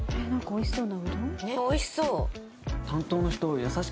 おいしそう。